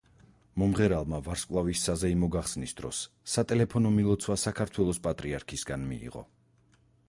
მომღერალმა ვარსკვლავის საზეიმო გახსნის დროს სატელეფონო მილოცვა საქართველოს პატრიარქისგან მიიღო.